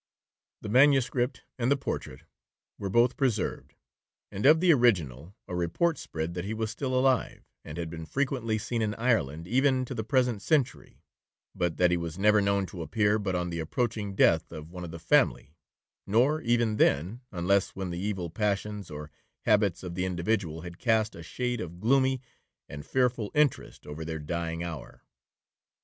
The manuscript and portrait were both preserved, and of the original a report spread that he was still alive, and had been frequently seen in Ireland even to the present century,—but that he was never known to appear but on the approaching death of one of the family, nor even then, unless when the evil passions or habits of the individual had cast a shade of gloomy and fearful interest over their dying hour.